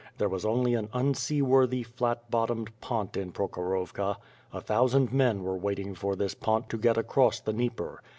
There was only an unseeworthy flat bottomed pont in Prokhorovka. A thousand men were waiting for this pont to get across th e Dnieper.